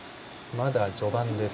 まだ序盤です。